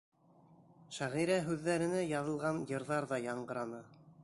Шағирә һүҙҙәренә яҙылған йырҙар ҙа яңғыраны.